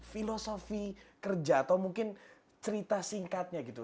filosofi kerja atau mungkin cerita singkatnya gitu